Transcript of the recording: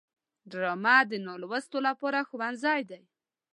ډرامه د نالوستو لپاره ښوونځی دی